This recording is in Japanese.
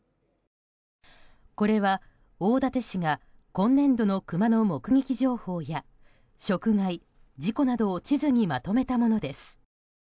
これは大館市が今年度のクマの目撃情報や食害、事故などを地図にまとめたものです。